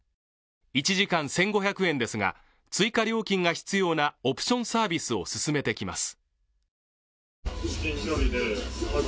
１時間１５００円ですが追加料金が必要なオプションサービスを勧めてきます。